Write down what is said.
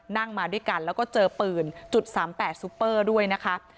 นั่งมาด้วยกันแล้วก็เจอปืนจุด๓๘ซุปเปอร์ด้วยนะคะ